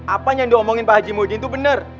apanya yang diomongin pak haji muhidin tuh bener